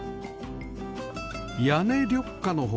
屋根緑化の他